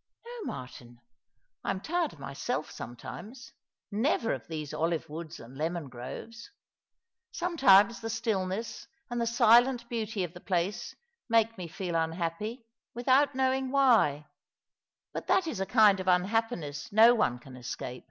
" No, Martin. I am tired of myself, sometimes — never of these olive woods and lemon groves. Sometimes the stillness and the silent beauty of the place make me feel unhappy, without knowing why ; but that is a kind of unhappiness no one can escape."